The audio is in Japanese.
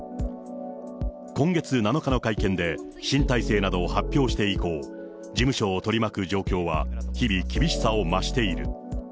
今月７日の会見で、新体制などを発表して以降、事務所を取り巻く状況は日々厳しさを増している。